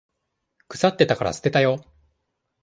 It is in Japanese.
腐ってたから捨てたよ。